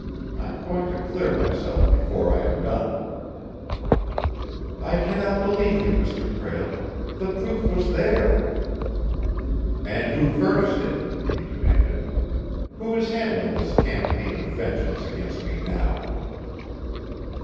I am going to clear myself before I am done." "I cannot believe you, Mr. Prale! The proof was there!" "And who furnished it?" he demanded. "Who is handling this campaign of vengeance against me now?"